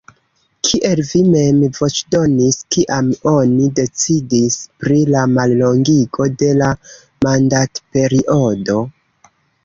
Kiel vi mem voĉdonis, kiam oni decidis pri la mallongigo de la mandatperiodo?